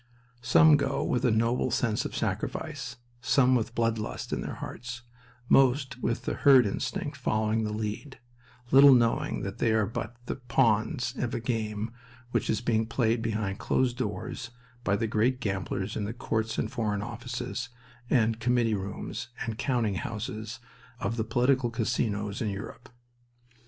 Some go with a noble sense of sacrifice, some with blood lust in their hearts, most with the herd instinct following the lead, little knowing that they are but the pawns of a game which is being played behind closed doors by the great gamblers in the courts and Foreign Offices, and committee rooms, and counting houses, of the political casinos in Europe.